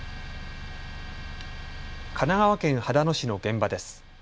神奈川県秦野市の現場です。